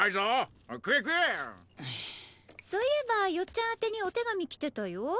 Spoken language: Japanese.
そういえば世っちゃん宛てにお手紙来てたよ。